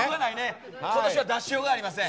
今年は出しようがありません。